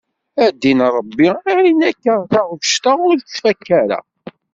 A ddin Ṛebbi ayen akka taɣect-a ur tettfakka ara.